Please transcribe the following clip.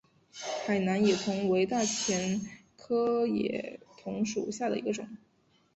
海南野桐为大戟科野桐属下的一个种。